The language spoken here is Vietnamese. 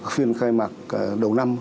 phiên khai mạc đầu năm